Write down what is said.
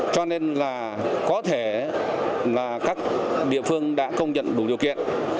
cho nên có thể các địa phương đã công nhận đủ điều kiện